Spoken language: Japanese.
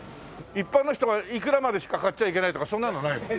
一般の人がいくらまでしか買っちゃいけないとかそんなのはないの？